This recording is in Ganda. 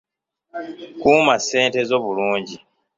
Kuuma ssente zo bulungi.